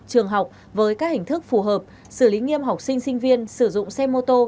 trường học với các hình thức phù hợp xử lý nghiêm học sinh sinh viên sử dụng xe mô tô